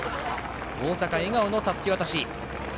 大阪、笑顔のたすき渡し。